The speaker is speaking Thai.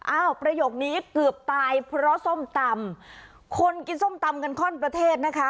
ประโยคนี้เกือบตายเพราะส้มตำคนกินส้มตำกันข้อนประเทศนะคะ